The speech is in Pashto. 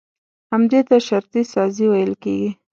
همدې ته شرطي سازي ويل کېږي.